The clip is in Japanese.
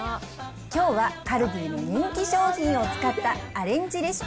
きょうはカルディの人気商品を使ったアレンジレシピ